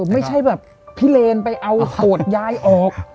ไม่ใช่แบบพิเรนไปเอาโต๊ะย้ายออก